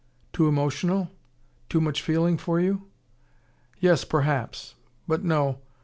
"Too emotional? Too much feeling for you?" "Yes, perhaps. But no.